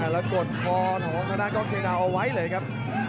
แล้วกดคอของธนากล้องเชียงดาวเอาไว้เลยครับ